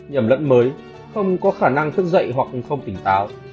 nhầm lẫn mới không có khả năng thức dậy hoặc không tỉnh táo